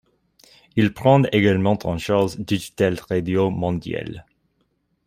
Il prend également en charge Digital Radio Mondiale.